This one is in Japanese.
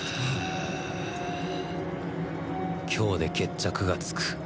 今日で決着がつく